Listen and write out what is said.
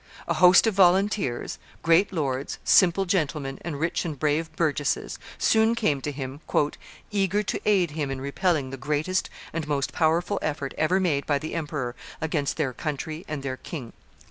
A host of volunteers, great lords, simple gentlemen, and rich and brave burgesses, soon came to him, "eager to aid him in repelling the greatest and most powerful effort ever made by the emperor against their country and their king."